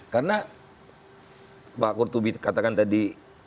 karena pak kurtubi katakan tadi